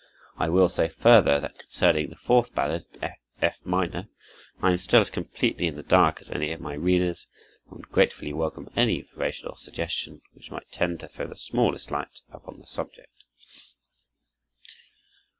I will say further that concerning the fourth ballade, in F minor, I am still as completely in the dark as any of my readers, and would gratefully welcome any information or suggestion which might tend to throw the smallest light upon the subject.